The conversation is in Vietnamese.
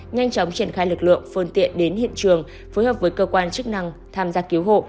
nhanh chóng triển khai lực lượng phương tiện đến hiện trường phối hợp với cơ quan chức năng tham gia cứu hộ